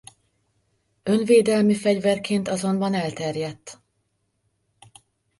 Önvédelmi fegyverként azonban elterjedt.